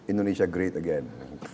indonesia great again